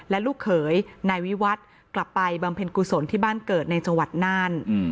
และลูกเขยนายวิวัตรกลับไปบำเพ็ญกุศลที่บ้านเกิดในจังหวัดน่าน